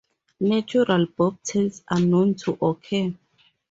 Natural bobtails are known to occur.